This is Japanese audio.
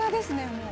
もう。